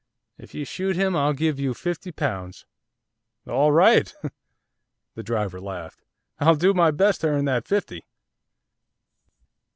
'If you shoot him I'll give you fifty pounds.' 'All right!' The driver laughed. 'I'll do my best to earn that fifty!